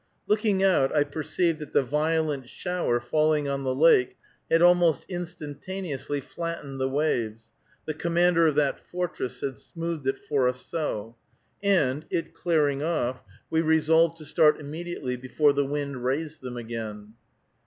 Looking out I perceived that the violent shower falling on the lake had almost instantaneously flattened the waves, the commander of that fortress had smoothed it for us so, and, it clearing off, we resolved to start immediately, before the wind raised them again.